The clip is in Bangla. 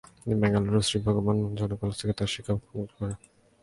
তিনি বেঙ্গালুরুর, শ্রী ভগবান মহাবীর জৈন কলেজ থেকে তার শিক্ষা সম্পন্ন করেন।